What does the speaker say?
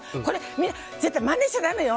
みんな絶対まねしちゃだめよ！